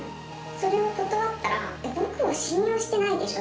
それを断ったら、僕を信用してないでしょ？